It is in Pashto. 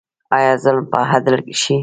آیا ظلم به عدل شي؟